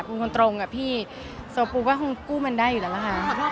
เป็นคนตรงกับพี่โซปูก็คงกู้มันได้อยู่แล้วล่ะค่ะ